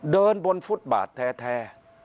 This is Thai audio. เดินบนฟุตบาทแท้